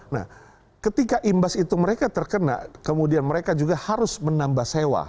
nah ketika imbas itu mereka terkena kemudian mereka juga harus menambah sewa